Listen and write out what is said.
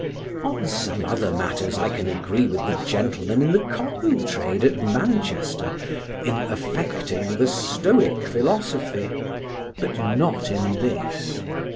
On some other matters I can agree with the gentlemen in the cotton trade at Manchester in affecting the Stoic philosophy, but not in this.